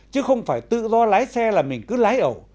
chứ không phải tự do lái xe là mình cứ lái ẩu